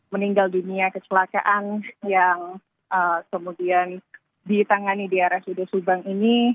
meninggal dunia kecelakaan yang kemudian ditangani di rsud subang ini